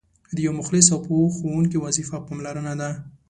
د یو مخلص او پوه ښوونکي وظیفه پاملرنه ده.